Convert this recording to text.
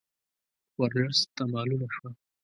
ورلسټ ته معلومه شوه.